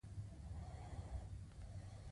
د پانګوال لپاره د تولید لګښتونه مشخص دي